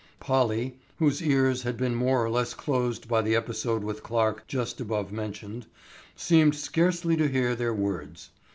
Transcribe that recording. Polly, whose ears had been more or less closed by the episode with Clarke just above mentioned, seemed scarcely to hear their words.